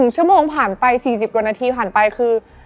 ชั่วโมงผ่านไป๔๐กว่านาทีผ่านไปคือ